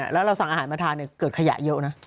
แล้วเราสั่งอาหารมาทานเกิดขยะเยอะนะ